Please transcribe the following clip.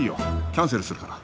キャンセルするから。